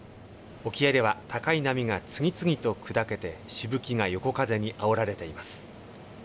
沖合では高い波が次々と砕けて、しぶきが横風にあおられています。